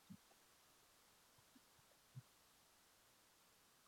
It functions as a research, teaching, and degree-granting institution.